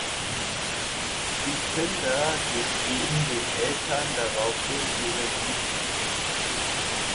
Die Kinder gestehen den Eltern daraufhin ihre Liebe.